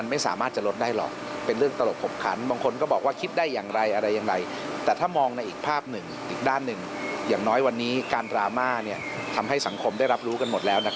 อย่างน้อยการรามานี่ทำให้สังคมได้รับรู้กันหมดแล้ว